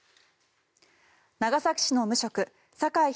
長崎市の無職酒井仁